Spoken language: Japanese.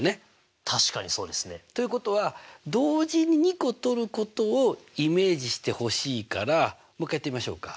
確かにそうですね。ということは同時に２個取ることをイメージしてほしいからもう一回やってみましょうか。